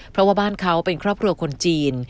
เพราะว่าบ้านเขาเป็นครอบครัวคนจีน